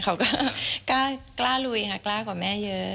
เขาก็กล้าลุยค่ะกล้ากว่าแม่เยอะ